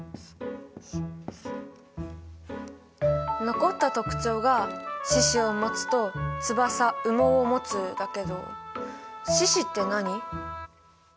残った特徴が「四肢をもつ」と「翼・羽毛をもつ」だけど「四肢」って何？